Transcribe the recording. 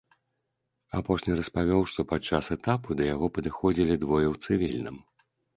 Апошні распавёў, што падчас этапу да яго падыходзілі двое ў цывільным.